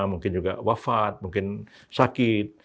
mungkin juga wafat mungkin sakit